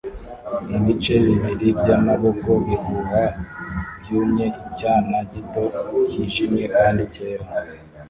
Ibice bibiri byamaboko bihuha byumye icyana gito cyijimye kandi cyera